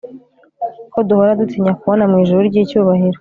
ko duhora dutinya kubona mwijuru ryicyubahiro